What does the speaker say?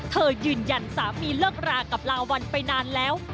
ยืนยันสามีเลิกรากับลาวัลไปนานแล้ว